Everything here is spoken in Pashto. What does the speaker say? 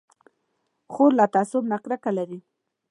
خور له تعصب نه کرکه لري.